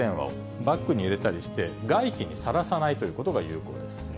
バッグに入れたりして、外気にさらさないということが有効です。